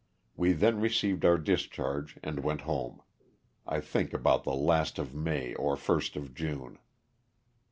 We then received our discharge and went home, I think about the last of May or first of June.